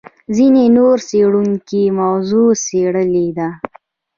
ځینې نور څېړونکي موضوع څېړلې ده.